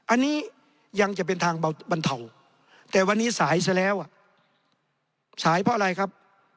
อันนี้ยังจะเป็นทางบรรเทาแต่วันนี้สายซะแล้วสายเพราะอะไรครับ